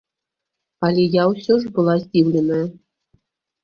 Але я ўсё ж была здзіўленая.